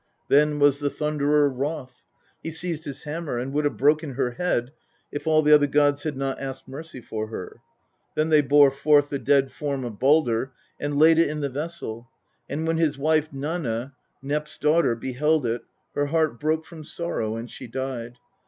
Then was the Thunderer wroth ! He seized his hammer, and would have broken her head it all the other gods had not asked mercy for her. Then they bore forth the dead torm of Baldr and laid it in the vessel, and when his wife Nanna, Nep's daughter, beheld it her heart broke from sorrow, and she died.